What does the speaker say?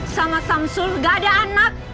sama samsul gak ada anak